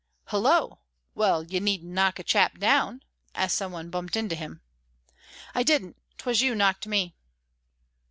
"Hullo! Well, you needn't knock a chap down," as some one bumped into him. "I didn't. 'Twas you knocked me."